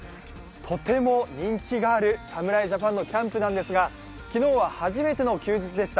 とても人気がある侍ジャパンのキャンプなんですが、昨日は初めての休日でした。